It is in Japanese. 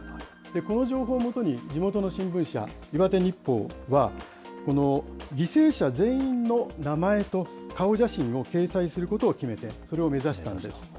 この情報を基に、地元の新聞社、岩手日報は、犠牲者全員の名前と顔写真を掲載することを決めて、それを目指したんです。